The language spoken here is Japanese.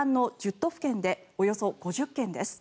都府県でおよそ５０件です。